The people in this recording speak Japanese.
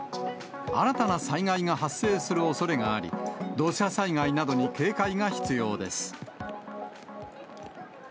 新たな災害が発生するおそれがあり、土砂災害などに警戒が必要です。